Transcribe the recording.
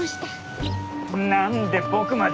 なんで僕まで。